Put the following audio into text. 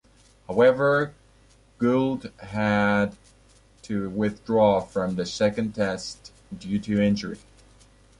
However, Gould had to withdraw from the second Test due to injury.